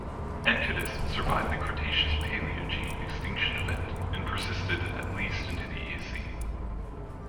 "Enchodus" survived the Cretaceous-Paleogene extinction event and persisted at least into the Eocene.